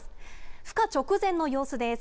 ふ化直前の様子です。